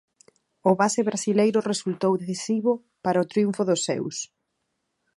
O base brasileiro resultou decisivo para o triunfo dos seus.